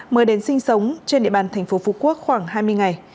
mới đến sinh sống trên địa bàn tp phú quốc khoảng hai mươi ngày